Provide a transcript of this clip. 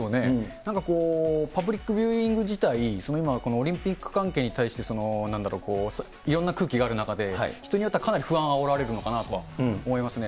なんかこう、パブリック・ビューイング自体、今、このオリンピック関係に対して、なんだろう、いろんな空気がある中で、人によってはかなり不安をあおられるのかなとは思いますね。